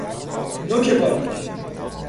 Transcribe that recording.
نوک باریک